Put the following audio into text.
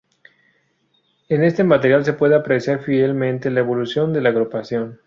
En este material se puede apreciar fielmente la evolución de la agrupación.